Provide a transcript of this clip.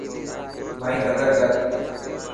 مائي قدر ڪر.